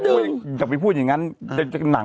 คุณได้พูดอย่างนั้นไม่ได้